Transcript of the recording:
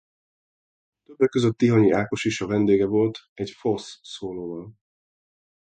Többek között Tihanyi Ákos is a vendége volt egy Fosse-szólóval.